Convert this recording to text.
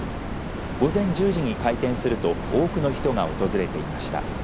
午前１０時に開店すると多くの人が訪れていました。